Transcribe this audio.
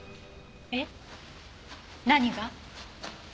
えっ何が？